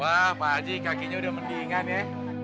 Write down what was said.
wah pak haji kakinya udah mendingan ya